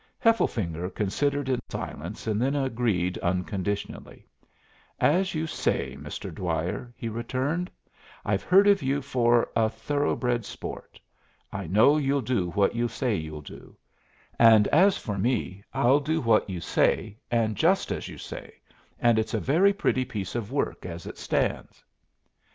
Hefflefinger considered in silence and then agreed unconditionally. "As you say, Mr. Dwyer," he returned. "I've heard of you for a thoroughbred sport. I know you'll do what you say you'll do; and as for me I'll do what you say and just as you say, and it's a very pretty piece of work as it stands."